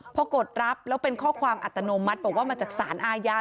พอกดรับแล้วเป็นข้อความอัตโนมัติบอกว่ามาจากสารอาญา